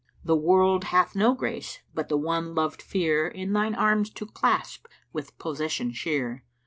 The world hath no grace but the one loved fere In thine arms to clasp with possession sheer!